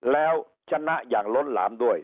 แล้วชนะอย่างล้นหลามด้วย